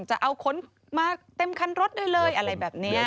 จะเอาขนมาเต็มคันรถได้เลยอะไรแบบนี้